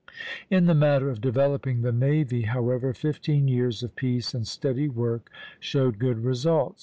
In the matter of developing the navy, however, fifteen years of peace and steady work showed good results.